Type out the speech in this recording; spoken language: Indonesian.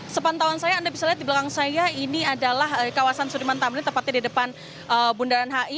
sepantauan saya anda bisa lihat di belakang saya ini adalah kawasan sudirman tamrin tepatnya di depan bundaran hi